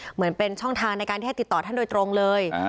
เหมือนเป็นช่องทางในการที่จะติดต่อท่านโดยตรงเลย